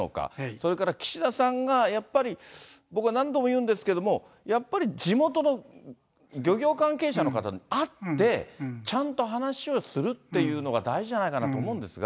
それから岸田さんがやっぱり、僕は何度も言うんですけど、やっぱり地元の漁業関係者の方に会って、ちゃんと話をするっていうのが大事じゃないかなと思うんですが。